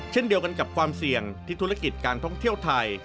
เช่นเดียวกันกับความเสี่ยงที่ธุรกิจการท่องเที่ยวไทย